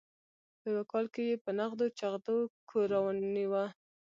په یوه کال کې یې په نغدو چغدو کور رانیوه.